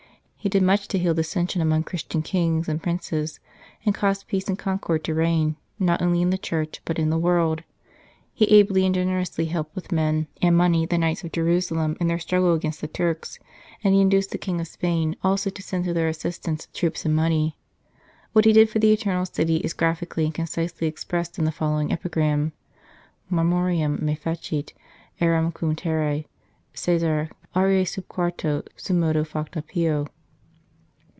He did much to heal dissension among Christian Kings and Princes, and cause peace and concord to reign, not only in the Church, but in the world. He ably and generously helped with men and money the Knights of Jerusalem in their struggle against the Turks, and he induced the King of Spain also to send to their assistance troops and money. What he did for the Eternal City is graphically and concisely expressed in the following epigram :" Marmoream me fecit, eram cum terrea, Caesar, Aurea sub quarto sum modo facta Pio."